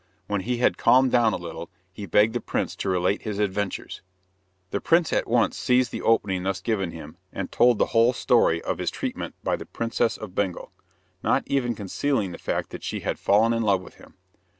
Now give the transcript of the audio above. When he had calmed down a little, he begged the prince to relate his adventures. The prince at once seized the opening thus given him, and told the whole story of his treatment by the Princess of Bengal, not even concealing the fact that she had fallen in love with him.